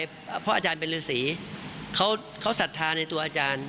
เพราะอาจารย์เป็นฤษีเขาศรัทธาในตัวอาจารย์